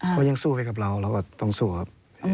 เขายังสู้ไปกับเราเราก็ต้องสู้ครับ